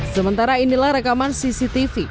sementara inilah rekaman cctv